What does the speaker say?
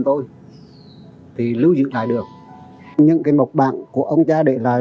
tôi thì lưu giữ lại được những cái mộc bạn của ông cha để lại